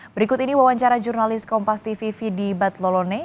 berikut ini wawancara jurnalis kompas tv vidi batlone